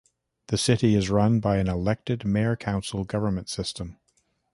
The city is run by an elected mayor-council government system.